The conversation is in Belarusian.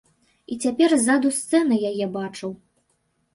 І цяпер ззаду сцэны яе бачыў.